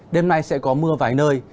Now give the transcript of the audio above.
đêm nay sẽ có mưa vài nơi